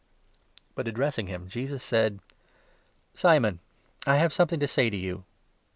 But, addressing him, Jesus said : 40 " Simon, I have something to say to you."